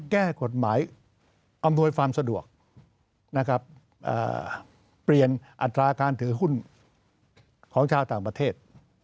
แก้กฎหมายอำนวยความสะดวกนะครับเปลี่ยนอัตราการถือหุ้นของชาวต่างประเทศ